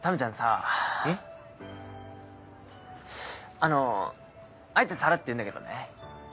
あのあえてさらっと言うんだけどね。